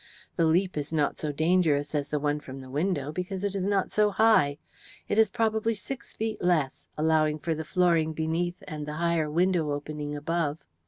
The leap is not so dangerous as the one from the window, because it is not so high. It is probably six feet less, allowing for the flooring beneath and the higher window opening above.